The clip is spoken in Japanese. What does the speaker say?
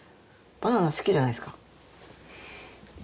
バナナ好きじゃないですか？